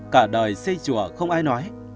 cả đời xây chùa không ai nói